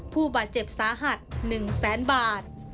ผู้บาดเจ็บสาหัส๑๐๐๐๐๐บาท